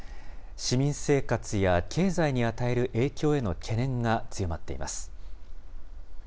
市民生活や経済に与える影響への懸念が強まっています。